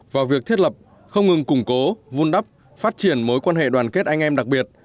vào việc thiết lập không ngừng củng cố vun đắp phát triển mối quan hệ đoàn kết anh em đặc biệt